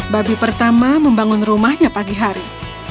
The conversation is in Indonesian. babi pertama membangun rumahnya pagi hari